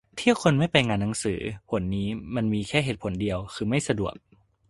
ที่คนไม่ไปงานหนังสือหนนี้มันมีแค่เหตุผลเดียวคือไม่สะดวก